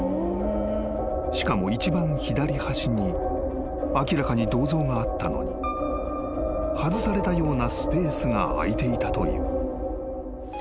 ［しかも一番左端に明らかに銅像があったのに外されたようなスペースが空いていたという］